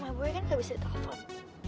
mama gue kan gak bisa ditokop